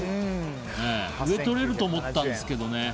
上とれると思ったんですけどね。